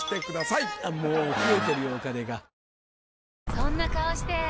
そんな顔して！